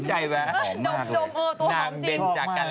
มีน้ำมีนวลขึ้นไง